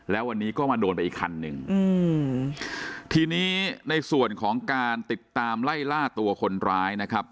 แล้ววันนี้ก็มาโดนไปอีกคันหนึ่งอืมทีนี้ในส่วนของการติดตามไล่ล่าตัวคนร้ายนะครับ